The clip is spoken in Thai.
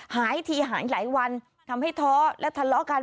หายทีหายหลายวันทำให้ท้อและทะเลาะกัน